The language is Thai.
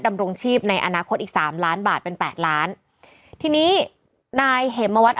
ดำรงชีพในอนาคตอีก๓ล้านบาทเป็น๘ล้านที่นี้นายเห็มมะวัด